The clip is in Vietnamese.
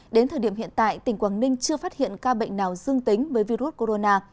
đến thời điểm hiện tại tỉnh quảng ninh chưa phát hiện ca bệnh nào dương tính với virus corona